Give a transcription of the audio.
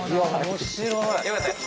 面白い。